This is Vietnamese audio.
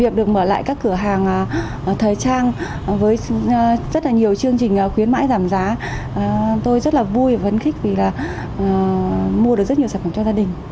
việc được mở lại các cửa hàng thời trang với rất là nhiều chương trình khuyến mãi giảm giá tôi rất là vui và vấn khích vì là mua được rất nhiều sản phẩm cho gia đình